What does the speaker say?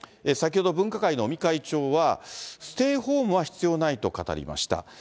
先ほど分科会の尾身会長は、ステイホームは必要ないと語りました。